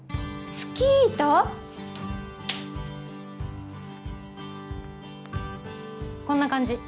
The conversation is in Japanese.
スキー板？こんな感じ。